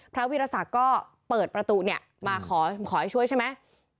พระวีรศักดิ์ก็เปิดประตูนี่มาขอให้ช่วยใช่ไหม